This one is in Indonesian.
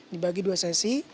dibagi dua sesi